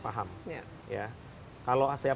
paham kalau setiap